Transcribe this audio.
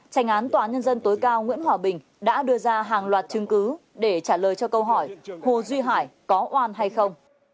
trành án tòa án nhân dân tối cao nguyễn hòa bình đã đưa ra hàng loạt chứng cứ để trả lời cho câu hỏi hồ duy hải có oan hay không